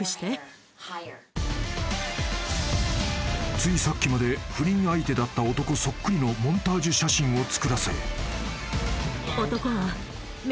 ［ついさっきまで不倫相手だった男そっくりのモンタージュ写真を作らせ］